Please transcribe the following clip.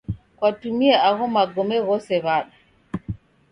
Kwatumie agho magome ghose w'ada?